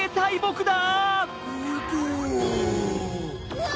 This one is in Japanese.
うわ！